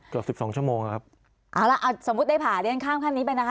สิบสองชั่วโมงครับเอาล่ะเอาสมมุติได้ผ่าเรียนข้ามขั้นนี้ไปนะคะ